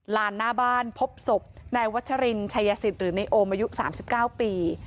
ลานหน้าบ้านพบศพนายวัชรินชัยสิทธิ์หรือในโอมอายุ๓๙ปี